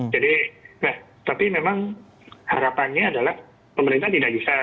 jadi nah tapi memang harapannya adalah pemerintah tidak bisa